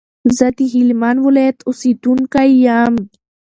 زه دهلمند ولایت اوسیدونکی یم.